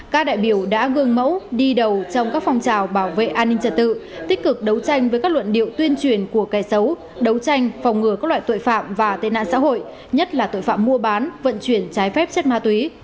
các đại biểu đã gương mẫu đi đầu trong các phong trào bảo vệ an ninh trật tự tích cực đấu tranh với các luận điệu tuyên truyền của kẻ xấu đấu tranh phòng ngừa các loại tội phạm và tên nạn xã hội nhất là tội phạm mua bán vận chuyển trái phép chất ma túy